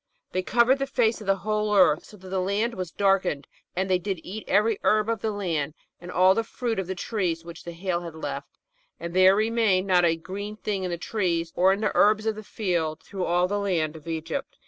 "They covered the . face of the whole earth, so that the land was darkened; and they did eat every herb of the land, and all the fruit of the trees which the hail had left: and there remained not any green thing in the trees, or in the herbs of the field, through all the land of Egypt."